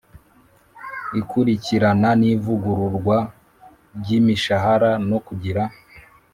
ikurikirana n ivugururwa ry imishahara no kugira